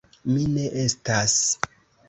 mi ne estas.